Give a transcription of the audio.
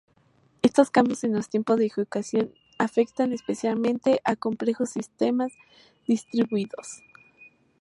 Estos cambios en los tiempos de ejecución afectan especialmente a complejos sistemas distribuidos.